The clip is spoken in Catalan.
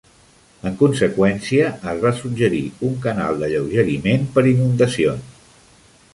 En conseqüència, es va suggerir un canal d'alleugeriment per inundacions.